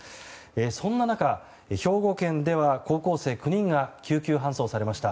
そんな中、兵庫県では高校生９人が救急搬送されました。